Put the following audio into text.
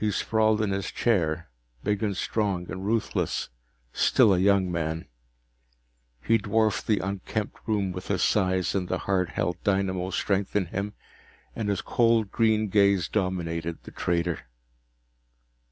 He sprawled in his chair, big and strong and ruthless, still a young man. He dwarfed the unkempt room with his size and the hard held dynamo strength in him, and his cold green gaze dominated the trader.